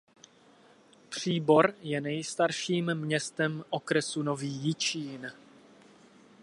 Příbor je nejstarším městem okresu Nový Jičín.